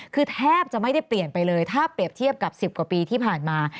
คือแทบจะไม่ได้เปลี่ยนไปเลยถ้าเปรียบเทียบกับ๑๐กว่าปีที่ผ่านมา